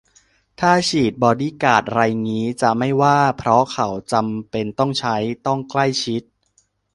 ถ้าฉีดบอดี้การ์ดไรงี้จะไม่ว่า เพราะเขาจำเป็นต้องใช้ ต้องใกล้ชิด